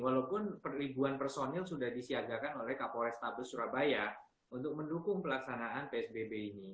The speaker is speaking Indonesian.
walaupun ribuan personil sudah disiagakan oleh kapolres tabes surabaya untuk mendukung pelaksanaan psbb ini